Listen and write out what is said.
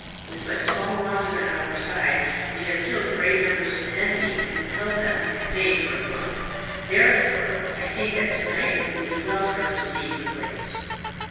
With but small losses on our side, we have killed great numbers of the enemy, and have held them at bay for a month. Therefore, I think that tonight it will be well for us to leave the place."